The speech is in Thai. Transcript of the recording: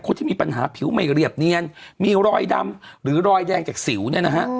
ที่มีปัญหาผิวไม่เรียบเนียนมีรอยดำหรือรอยแดงจากสิวเนี่ยนะฮะ